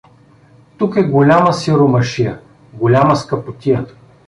Тук е голяма сиромашия, голяма скъпотия.